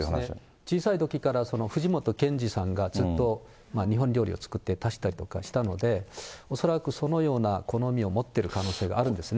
小さいときから藤本けんじさんがずっと日本料理を作って出したりとかしたので、おそらくそのような好みを持ってる可能性があるんですね。